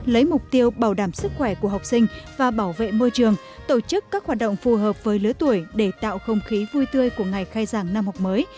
lấy mục tiêu bảo đảm sức khỏe của học sinh và bảo vệ môi trường tổ chức các hoạt động phù hợp với lứa tuổi để tạo không khí vui tươi của ngày khai giảng năm học mới